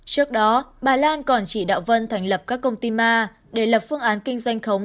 trước đó bà lan còn chỉ đạo vân thành lập các công ty ma để lập phương án kinh doanh khống